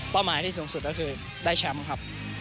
หมายที่สูงสุดก็คือได้แชมป์ครับ